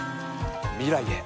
未来へ。